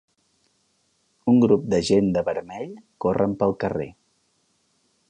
Un grup de gent de vermell corren pel carrer